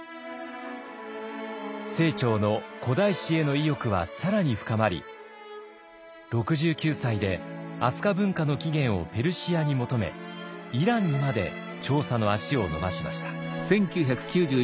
清張の古代史への意欲は更に深まり６９歳で飛鳥文化の起源をペルシアに求めイランにまで調査の足を延ばしました。